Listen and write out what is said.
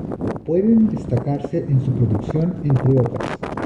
Pueden destacarse en su producción, entre otras:.